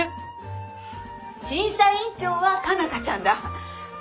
審査委員長は佳奈花ちゃんだ。